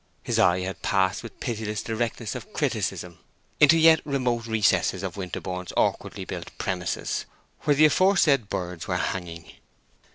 His eye had passed with pitiless directness of criticism into yet remote recesses of Winterborne's awkwardly built premises, where the aforesaid birds were hanging.